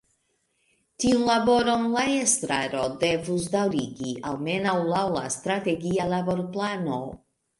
Tiun laboron la estraro devus daŭrigi, almenaŭ laŭ la Strategia Laborplano.